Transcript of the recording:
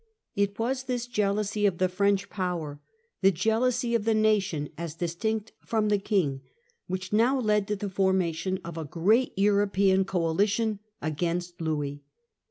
It was this jealousy of the French ranee. power, the jealousy of the nation as distinct from the King, which now led to the formation of a great European coalition against Louis.